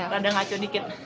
rada ngaco dikit